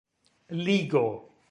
ligo